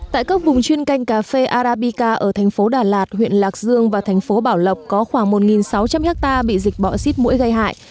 tại các vùng chuyên canh cà phê arabica ở thành phố đà lạt huyện lạc dương và thành phố bảo lộc có khoảng một sáu trăm linh hectare bị dịch bọ xít mũi gây hại